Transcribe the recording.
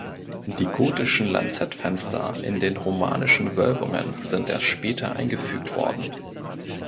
Die gotischen Lanzettfenster in den romanischen Wölbungen sind erst später eingefügt worden.